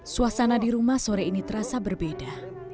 suasana di rumah sore ini terasa berbeda